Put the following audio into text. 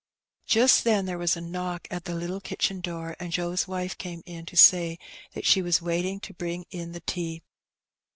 Just then there was a knock at the little kitchen door, and Joe's wife came in to say that she was waiting to bring in the tea.